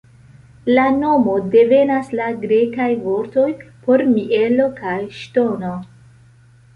La nomo devenas la grekaj vortoj por mielo kaj ŝtono.